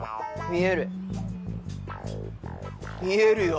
見えるよ！